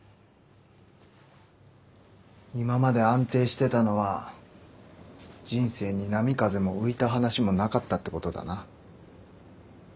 今まで安定してたのは人生に波風も浮いた話もなかったってことだな。